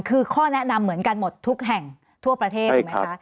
คือข้อแนะนำเหมือนกันหมดทุกแห่งทั่วประเทศถูกไหมคะ